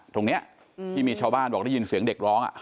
ตรงนี้ที่มีชาวบ้านบอกได้ยินเสียงเด็กร้อง